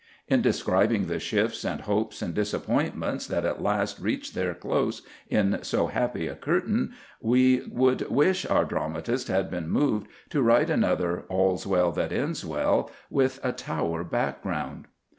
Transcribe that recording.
In describing the shifts and hopes and disappointments that at last reached their close in so happy a "curtain," we would wish our dramatist had been moved to write another All's Well That Ends Well, with a Tower background.